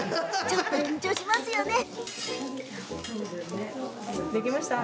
ちょっと緊張しちゃいますよね？